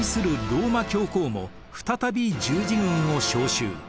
ローマ教皇も再び十字軍を招集。